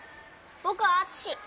ぼくはあつし。